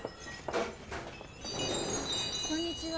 こんにちは。